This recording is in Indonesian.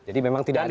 jadi memang tidak ada